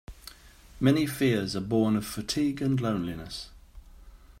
Many fears are born of fatigue and loneliness.